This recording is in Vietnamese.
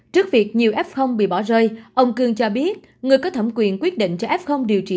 trước việc nhiều f bị bỏ rơi ông cương cho biết người có thẩm quyền quyết định cho f điều trị